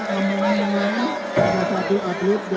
ini adalah keluarga